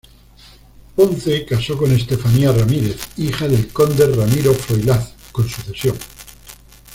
Ponce casó con Estefanía Ramírez, hija del conde Ramiro Froilaz, con sucesión.